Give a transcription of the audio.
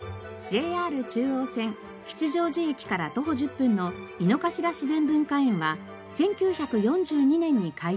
ＪＲ中央線吉祥寺駅から徒歩１０分の井の頭自然文化園は１９４２年に開園しました。